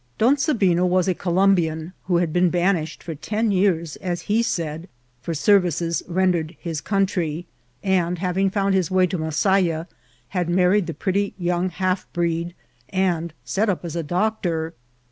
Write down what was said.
Don Sabino was a Colombian, who had been banished for ten years, as he said, for services rendered his country; and having found his way to Masaya, had married the pretty young half breed, and set up as a doctor.